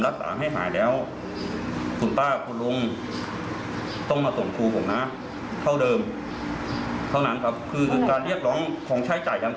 แต่ที่แท้จริงผมอยู่ที่บ้านสมิดน้อย